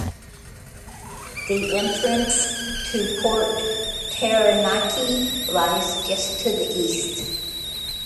The entrance to Port Taranaki lies just to the east.